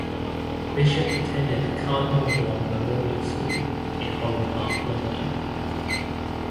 Bishop attended the Cardinal Vaughan Memorial School in Holland Park, London.